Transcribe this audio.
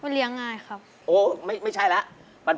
เลี้ยงง่ายครับโอ้ไม่ใช่แล้ว